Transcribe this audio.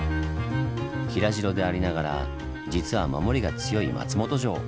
平城でありながら実は守りが強い松本城。